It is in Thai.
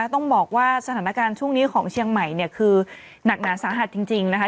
ต้องบอกว่าสถานการณ์ช่วงนี้ของเชียงใหม่เนี่ยคือหนักหนาสาหัสจริงนะคะ